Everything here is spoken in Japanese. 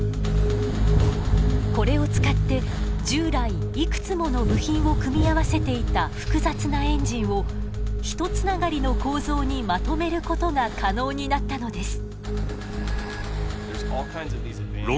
これを使って従来いくつもの部品を組み合わせていた複雑なエンジンをひとつながりの構造にまとめることが可能になったのです。